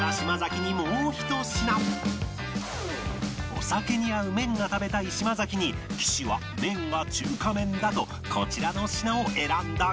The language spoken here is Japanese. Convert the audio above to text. お酒に合う麺が食べたい島崎に岸は「面」は「中華麺」だとこちらの品を選んだが